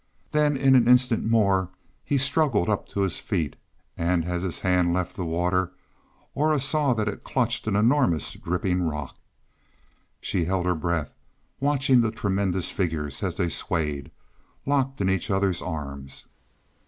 Then in an instant more he struggled up to his feet; and as his hand left the water Aura saw that it clutched an enormous dripping rock. She held her breath, watching the tremendous figures as they swayed, locked in each other's arms.